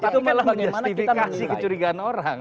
itu malah menjustifikasi kecurigaan orang